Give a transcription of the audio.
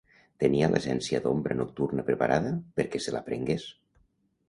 Tenia l'essència d'ombra nocturna preparada perquè se la prengués.